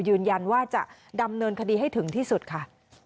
ยืนยันว่าจะดำเนินคดีให้ถึงที่สุดค่ะ